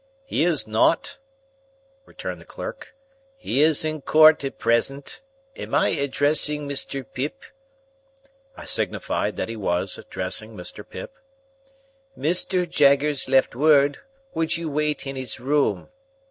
"He is not," returned the clerk. "He is in Court at present. Am I addressing Mr. Pip?" I signified that he was addressing Mr. Pip. "Mr. Jaggers left word, would you wait in his room.